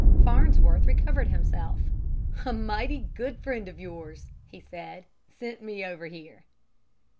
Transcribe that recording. Farnsworth recovered himself. "A mighty good friend of yours," he said, "sent me over here."